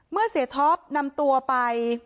เมื่อเสียท็อปนำตัวไป